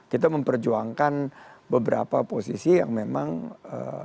kita memperjuangkan beberapa posisi yang memang ee